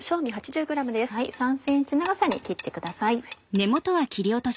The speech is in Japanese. ３ｃｍ長さに切ってください。